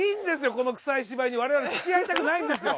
このクサい芝居に我々つきあいたくないんですよ。